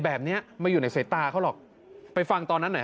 แบบนี้ไม่อยู่ในสายตาเขาหรอกไปฟังตอนนั้นหน่อยฮ